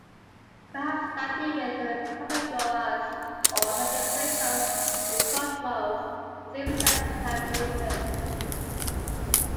Perhaps starting with Pythagoras or Heraclitus, the cosmos is even said to have reason.